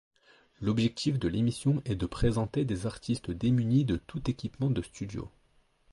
L'objectif de l'émission est de présenter des artistes démunis de tout équipement de studio.